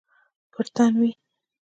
په تن وی